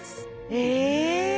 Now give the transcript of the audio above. え？